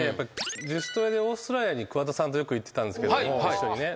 自主トレでオーストラリアに桑田さんとよく行ってたんですけど一緒にね。